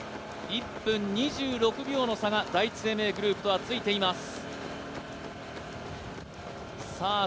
１分２６秒の差が第一生命グループとついています。